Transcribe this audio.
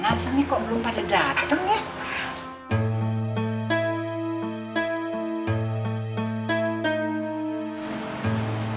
gimana seni kok belum pada dateng ya